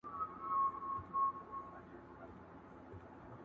څېره ښيي ډېر ښه انځور،